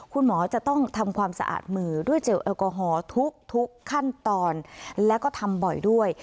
คุณหมอจะต้องทำความสะอาดมือด้วยเจลแอลกอฮอล์ทุกขั้นตอนแล้วก็ทำบ่อยด้วย